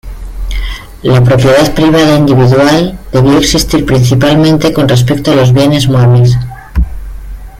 La propiedad privada individual debió existir principalmente con respecto a los bienes muebles.